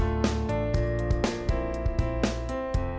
aduh aduh aduh aduh